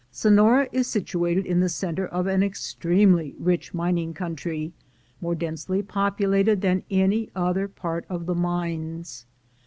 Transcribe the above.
Sonora is situated in the center of an extremely rich mining country, more densely populated than any other part of the mines.